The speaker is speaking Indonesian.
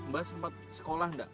dulu mbah sempat sekolah ndak